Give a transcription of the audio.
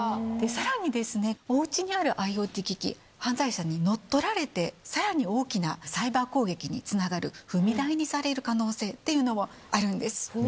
さらにですね、おうちにあるＩｏＴ機器、犯罪者に乗っ取られて、さらに大きなサイバー攻撃につながる踏み台にされる可能性ってい踏み台？